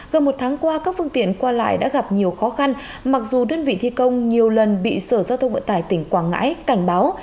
gần một tháng qua các phương tiện qua lại đã gặp nhiều khó khăn mặc dù đơn vị thi công nhiều lần bị sở giao thông vận tải tỉnh quảng ngãi cảnh báo